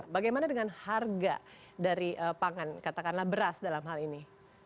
bagaimana dengan harga dari pangan katakanlah beras dalam hal ini